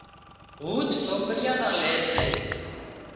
هوٿ سوڪريان نان لي سي